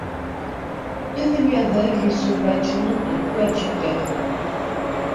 Devenu aveugle il se voit adjoindre un coadjuteur.